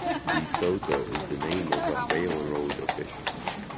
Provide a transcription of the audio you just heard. De Soto is the name of a railroad official.